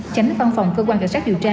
chánh phòng phòng cơ quan cảnh sát điều tra